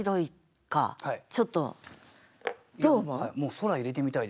「空」入れて下さい。